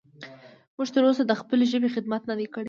موږ تر اوسه د خپلې ژبې خدمت نه دی کړی.